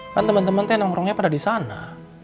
kan temen temen teh nongkrongnya pada disana